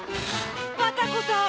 バタコさん！